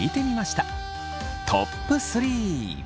トップ３。